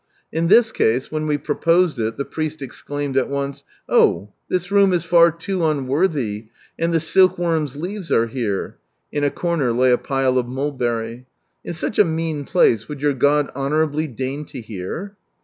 In this case, when we proposed it, the priest exclaimed at once, —" Oh, this room is far too unworthy, and the silkworm's leaves are here " (in a comer lay a pile of mulberry) ;" in such a mean place, would your God honour ably deign lo hear?"